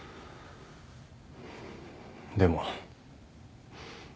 でも。